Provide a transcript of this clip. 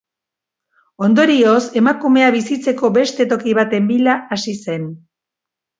Ondorioz emakumea bizitzeko beste toki baten bila hasi zen.